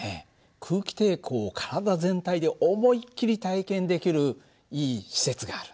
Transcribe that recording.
空気抵抗を体全体で思いっきり体験できるいい施設があるんだよ。